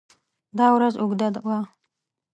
دا ورځ اوږده وه.